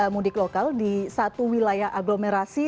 mudik lokal di satu wilayah agglomerasi